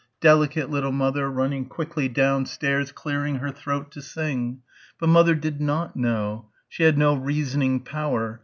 Delicate little mother, running quickly downstairs clearing her throat to sing. But mother did not know. She had no reasoning power.